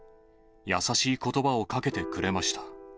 優しいことばをかけてくれました。